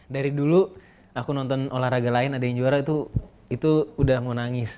dari dulu aku nonton olahraga lain ada yang juara itu udah mau nangis